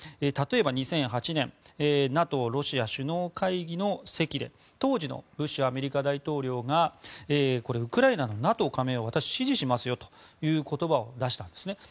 例えば、２００８年ＮＡＴＯ・ロシア首脳会議の席で当時のブッシュアメリカ大統領がウクライナのＮＡＴＯ加盟を私、支持しますよという言葉を出したんです。